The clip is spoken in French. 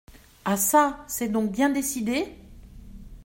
Ah çà ! c’est donc bien décidé ?…